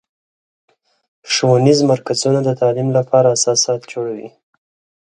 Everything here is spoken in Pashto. ښوونیز مرکزونه د تعلیم لپاره اساسات جوړوي.